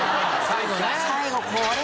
最後。